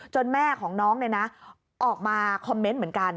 จนแม่ของน้องเนี่ยนะออกมาคอมเมนต์เหมือนกัน